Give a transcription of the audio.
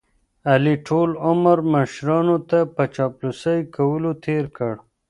علي ټول عمر مشرانو ته په چاپلوسۍ کولو تېر کړ.